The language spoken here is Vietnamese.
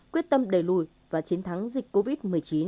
quyết tâm đẩy lùi và chiến thắng dịch covid một mươi chín